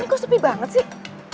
ini kok sepi banget sih